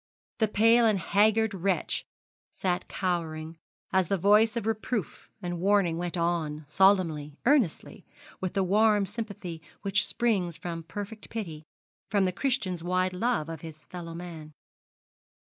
The pale and haggard wretch sat cowering, as the voice of reproof and warning went on, solemnly, earnestly, with the warm sympathy which springs from perfect pity, from the Christian's wide love of his fellow men.